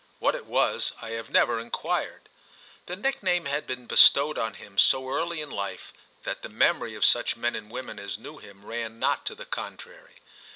What it was, I have never inquired. The nickname had been bestowed on him so early in life that the memory of such men and women as knew him ran not to the contrary.